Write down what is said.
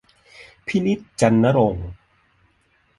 พินิจ จันทร์ณรงค์